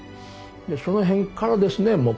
でその辺からですね